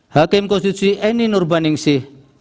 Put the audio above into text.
hakim konstitusi eni nurbaningsih